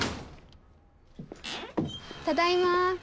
ただいま。